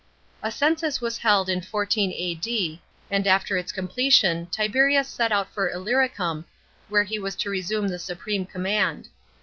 A census was held in 14 A.D., and after its completion Tiberius set out for Illyricum, where he was to resume the supreme com mand.